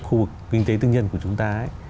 khu vực kinh tế tự nhiên của chúng ta ấy